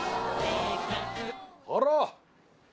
あら！